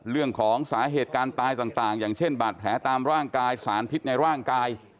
เรื่องของสาเหตุการณ์ตายต่างอย่างเช่นบาดแผลตามร่างกายสารพิษในร่างกาย